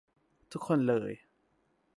ทุกคนเลย~